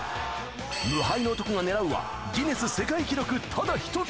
無敗の男がねらうは、ギネス世界記録ただ一つ。